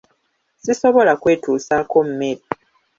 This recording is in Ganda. Sisobola kwetuusaako mmere.